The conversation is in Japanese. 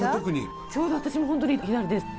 ちょうど私も本当に左です。